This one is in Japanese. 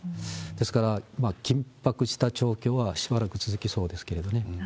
ですから、緊迫した状況はしばらく続きそうですけどね。